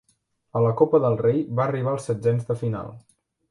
A la Copa del Rei va arribar als setzens de final.